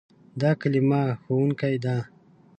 دا کلمه "ښوونکی" ده.